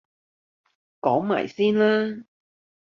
講埋先啦